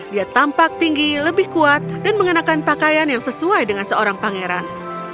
dia tampak tinggi lebih kuat dan mengenakan pakaian yang sesuai dengan seorang pangeran